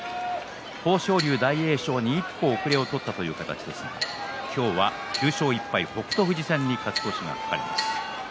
豊昇龍、大栄翔に一歩遅れを取ったという形ですが今日は９勝１敗、北勝富士戦に勝ち越しが懸かります。